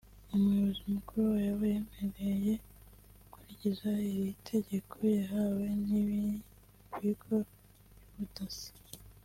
umuyobozi mukuru wa Yahoo yaremeye gukurikiza iri tegeko yahawe n’ibi bigo by’ubutasi